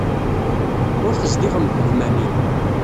Ur tezdiɣem deg wegmam-inu.